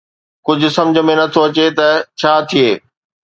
ڪجهه سمجهه ۾ نه ٿو اچي ته ڇا ٿئي